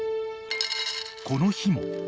［この日も］